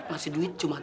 masih duit cuma tiga ribu